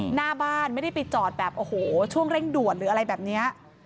หน้าบ้านไม่ได้ไปจอดแบบโอ้โหช่วงเร่งด่วนหรืออะไรแบบนี้